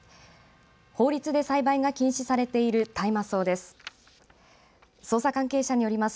法律で栽培が禁止されている大麻草です。